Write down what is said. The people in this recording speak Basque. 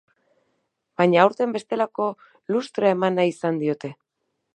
Baina aurten bestelako lustrea eman nahi izan diote.